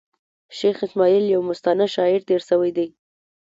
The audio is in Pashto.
شېخ اسماعیل یو مستانه شاعر تېر سوﺉ دﺉ.